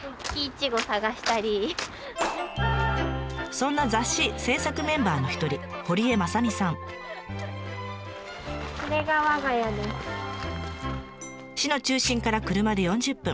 そんな雑誌制作メンバーの一人市の中心から車で４０分。